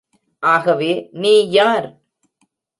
ஆகவே, நீ யார்?